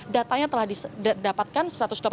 datanya telah didapatkan satu ratus delapan puluh